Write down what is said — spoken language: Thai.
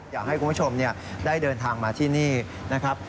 อยากให้คุณผู้ชมได้เดินทางมาที่นี่นะครับ